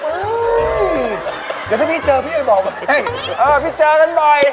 เดี๋ยวถ้าพี่เจอพี่ยังบอกพี่เจอกันบ่อย